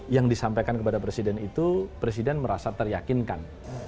yang disampaikan kepada presiden itu presiden merasa teryakinkan